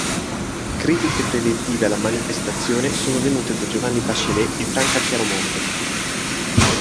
Critiche preventive alla manifestazione sono venute da Giovanni Bachelet e Franca Chiaromonte.